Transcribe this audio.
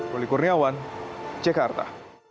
roli kurniawan cekarta